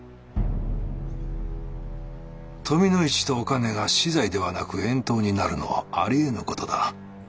富の市とおかねが死罪ではなく遠島になるのはありえぬ事だ。